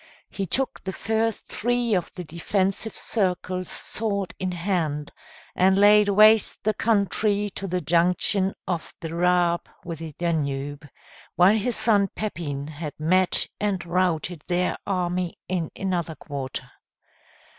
He took the first three of the defensive circles sword in hand, and laid waste the country to the junction of the Raab with the Danube, while his son Pepin had met and routed their army in another quarter.